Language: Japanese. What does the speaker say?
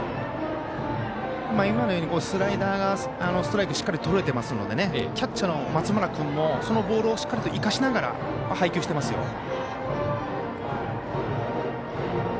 今のようにスライダーがストライクしっかりとれてますのでキャッチャーの松村君もそのボールを生かしながら配球していますよ。